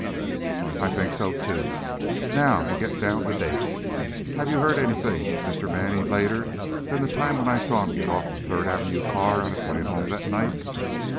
"I think so, too. Now, to get down to dates. Have you heard anything of Mr. Manning later than the time when I saw him get off the Third Avenue car on his way home that night?"